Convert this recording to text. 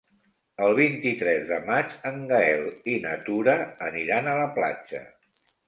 El vint-i-tres de maig en Gaël i na Tura aniran a la platja.